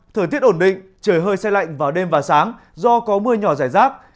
thời tiết ổn định trời hơi xe lạnh vào đêm và sáng do có mưa nhỏ rải rác